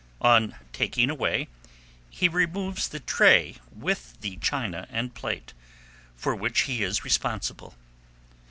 On taking away, he removes the tray with the china and plate, for which he is responsible.